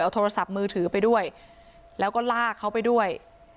เอาโทรศัพท์มือถือไปด้วยแล้วก็ลากเขาไปด้วย